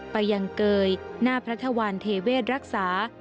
ไปยังเกยหน้าพระธวรรณเทเวศรักษา